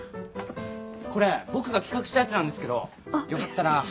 これ僕が企画したやつなんですけどよかったら。